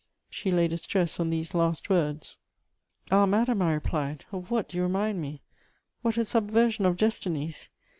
She laid a stress on these last words. "Ah, madam," I replied, "of what do you remind me? What a subversion of destinies!